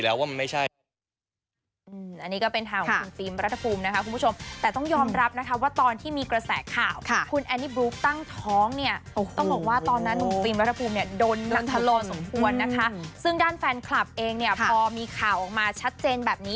แล้วผมรู้ดีอยู่แล้วว่ามันไม่ใช่